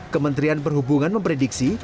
kementerian perhubungan memprediksi